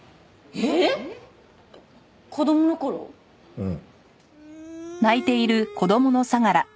うん。